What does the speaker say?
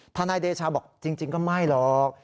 นายเดชาบอกจริงก็ไม่หรอก